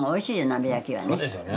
鍋焼きはね。